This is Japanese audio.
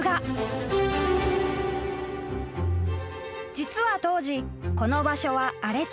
［実は当時この場所は荒れ地］